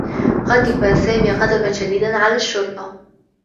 غضب سامي غضبا شديدا على الشّرطة.